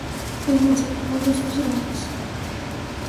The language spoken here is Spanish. Además obtuvo otros posgrados.